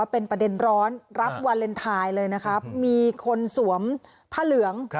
เป็นประเด็นร้อนรับวาเลนไทยเลยนะครับมีคนสวมผ้าเหลือง